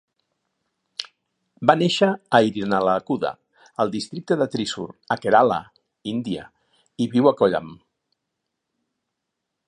Va néixer a Irinalakuda, al districte de Thrissur, a Kerala, Índia, i viu a Kollam.